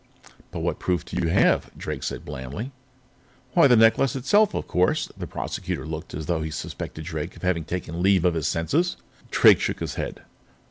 "What proof do you have?" Drake asked blandly. "Why, the necklace itself, of course!" The Prosecutor looked as though he suspected Drake of having taken leave of his senses. Drake shook his head.